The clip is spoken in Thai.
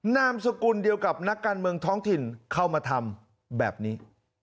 นามสกุลเดียวกับนักการเมืองท้องถิ่นเข้ามาทำแบบนี้